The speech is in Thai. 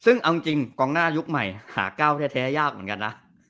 ซึ่งเอาจริงกองหน้ายุคใหม่หาก้าวแท้ยากเหมือนกันนะ